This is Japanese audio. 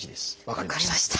分かりました。